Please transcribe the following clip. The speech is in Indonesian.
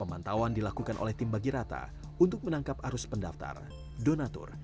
pemantauan dilakukan oleh tim bagirata untuk menangkap arus pendaftar donatur